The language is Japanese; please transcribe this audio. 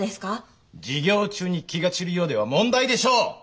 授業中に気が散るようでは問題でしょう！